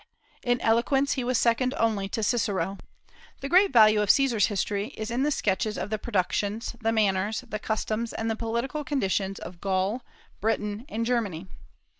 In eloquence he was second only to Cicero. The great value of Caesar's history is in the sketches of the productions, the manners, the customs, and the political conditions of Gaul, Britain, and Germany.